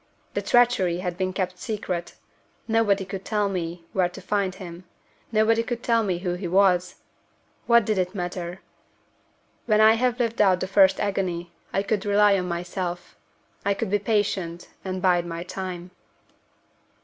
The treachery had been kept secret; nobody could tell me where to find him; nobody could tell me who he was. What did it matter? When I had lived out the first agony, I could rely on myself I could be patient, and bide my time."